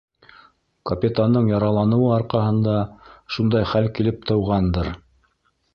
Капитандың яраланыуы арҡаһында шундай хәл килеп тыуғандыр.